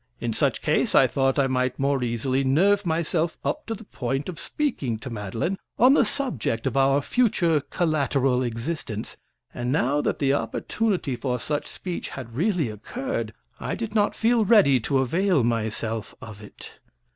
In such case I thought I might more easily nerve myself up to the point of speaking to Madeline on the subject of our future collateral existence; and, now that the opportunity for such speech had really occurred, I did not feel ready to avail myself of it.